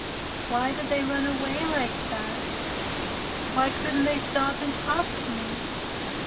"Why did they run away like that? Why couldn't they stop and talk to me?"